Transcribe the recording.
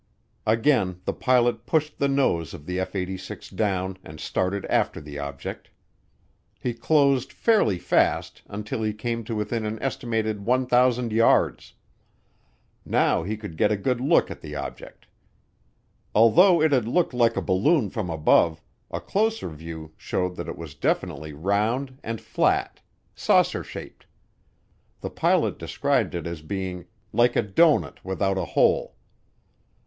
Again the pilot pushed the nose of the F 86 down and started after the object. He closed fairly fast, until he came to within an estimated 1,000 yards. Now he could get a good look at the object. Although it had looked like a balloon from above, a closer view showed that it was definitely round and flat saucer shaped. The pilot described it as being "like a doughnut without a hole."